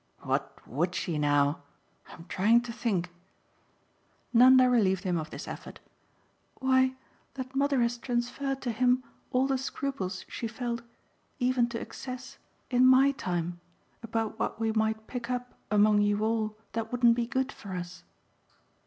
"What WOULD she now? I'm trying to think." Nanda relieved him of this effort. "Why that mother has transferred to him all the scruples she felt 'even to excess' in MY time, about what we might pick up among you all that wouldn't be good for us."